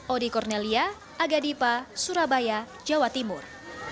odi kornelia aga dipa surabaya jawa timur